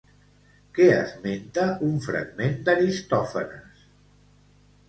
Què esmenta un fragment d'Aristòfanes?